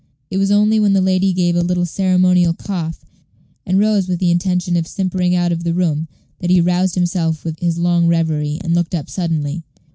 It was only when the lady gave a little ceremonial cough, and rose with the intention of simpering out of the room, that he roused himself from his long reverie, and looked up suddenly.